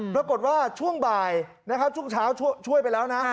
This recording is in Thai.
ปรากฏว่าช่วงบ่ายนะครับช่วงเช้าช่วยไปแล้วนะ